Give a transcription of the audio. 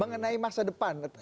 mengenai masa depan